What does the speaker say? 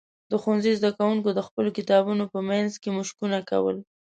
د ښوونځي زده کوونکي د خپلو کتابونو په منځ کې مشقونه کول.